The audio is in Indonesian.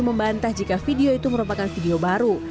membantah jika video itu merupakan video baru